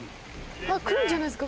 来るんじゃないですか？